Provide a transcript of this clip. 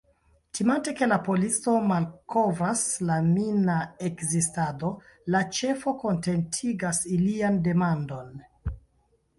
Timante ke la polico malkovras la mina ekzistado, la ĉefo kontentigas ilian demandon.